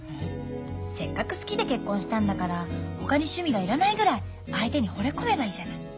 せっかく好きで結婚したんだからほかに趣味がいらないぐらい相手にほれ込めばいいじゃない。